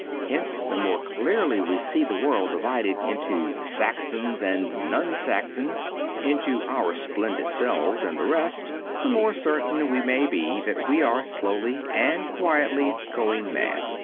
Hence the more clearly we see the world divided into Saxons and non Saxons, into our splendid selves and the rest, the more certain we may be that we are slowly and quietly going mad.